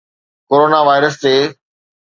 corona virus تي